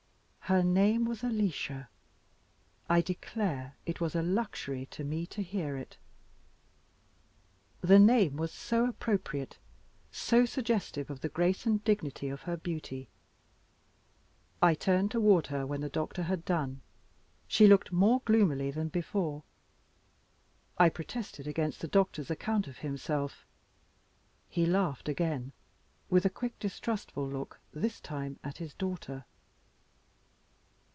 Her name was Alicia! I declare it was a luxury to me to hear it the name was so appropriate, so suggestive of the grace and dignity of her beauty. I turned toward her when the doctor had done. She looked more gloomily than before. I protested against the doctor's account of himself. He laughed again, with a quick distrustful lo ok, this time, at his daughter.